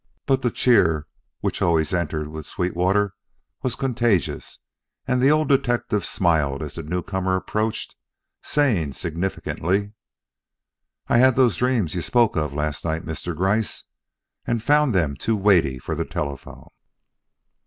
But the cheer which always entered with Sweetwater was contagious, and the old detective smiled as the newcomer approached, saying significantly: "I had those dreams you spoke of last night, Mr. Gryce, and found them too weighty for the telephone."